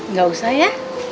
gak usah ya